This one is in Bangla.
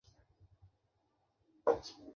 যৌবনের জোয়ারে টইটম্বুর তার শরীর-মন।